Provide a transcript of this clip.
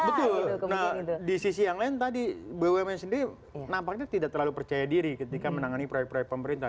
betul nah di sisi yang lain tadi bumn sendiri nampaknya tidak terlalu percaya diri ketika menangani proyek proyek pemerintah